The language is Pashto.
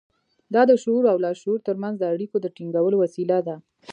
دا د شعور او لاشعور ترمنځ د اړيکو د ټينګولو وسيله ده.